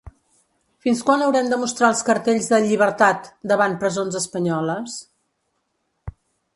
Fins quan haurem de mostrar els cartells de ‘Llibertat’ davant presons, espanyoles?